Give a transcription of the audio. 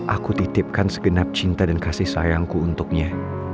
aku titipkan segenap cinta dan kasih sayangku untuknya